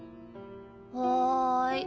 はい。